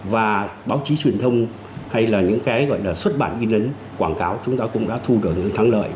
và báo chí truyền thông hay là những cái gọi là xuất bản ghi lấn quảng cáo chúng ta cũng đã thu được những cái thắng lợi